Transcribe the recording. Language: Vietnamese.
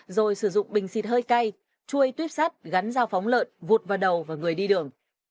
rồi sử dụng bình xịt hơi cay chuôi tuyếp sắt gắn dao phóng lợn vụt vào đầu và người đi đường